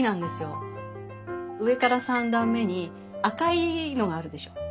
上から３段目に赤いのがあるでしょ。